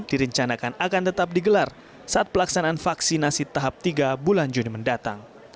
direncanakan akan tetap digelar saat pelaksanaan vaksinasi tahap tiga bulan juni mendatang